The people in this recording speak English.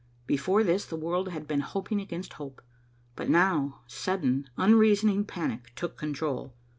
Before this the world had been hoping against hope, but now sudden, unreasoning panic took control.